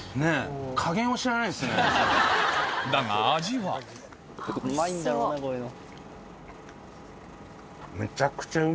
だが味はうまいんだろうなこういうの。